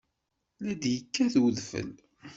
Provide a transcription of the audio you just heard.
La d-yekkat udfel.